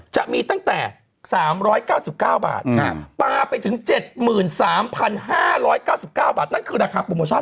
จะมีตั้งแต่๓๙๙บาทปลาไปถึง๗๓๕๙๙บาทนั่นคือราคาโปรโมชั่น